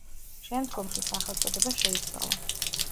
შემდგომში სახელწოდება შეიცვალა.